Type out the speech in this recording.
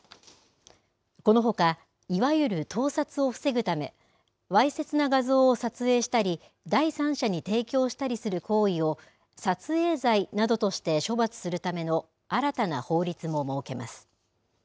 このほか、いわゆる盗撮を防ぐため、わいせつな画像を撮影したり、第三者に提供したりする行為を撮影罪などとして処罰するための新たな法律も設けます。